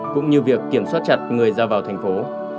cũng như việc kiểm soát chặt người ra vào thành phố